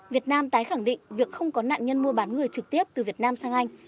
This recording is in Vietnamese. việt nam tái khẳng định việc không có nạn nhân mua bán người trực tiếp từ việt nam sang anh